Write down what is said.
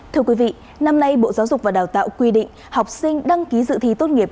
thưa quý vị năm nay bộ giáo dục và đào tạo quy định học sinh đăng ký dự thi tốt nghiệp